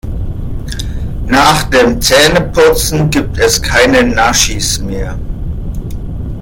Nach dem Zähneputzen gibt es keine Naschis mehr.